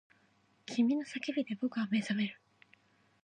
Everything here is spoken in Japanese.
君の叫びで僕は目覚める